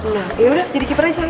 nah yaudah jadi keeper aja yuk